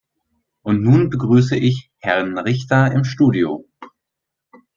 Und nun begrüße ich Herrn Richter im Studio.